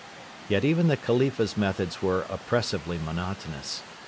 Yet even the Khalifa's methods were oppressively monotonous.